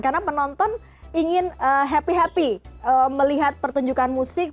karena penonton ingin happy happy melihat pertunjukan musik